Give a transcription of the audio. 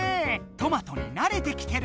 トマトになれてきてる！